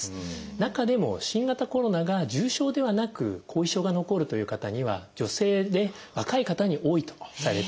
中でも新型コロナが重症ではなく後遺症が残るという方には女性で若い方に多いとされています。